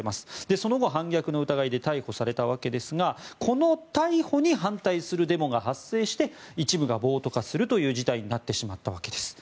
その後、反逆の疑いで逮捕されたわけですがこの逮捕に反対するデモが発生して一部が暴徒化するという事態になってしまったわけです。